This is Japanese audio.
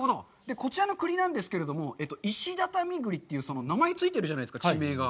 こちらの栗なんですけれども、「石畳栗」という名前がついてるじゃないですか、地名が。